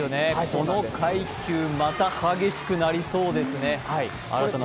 この階級また激しくなりそうですね。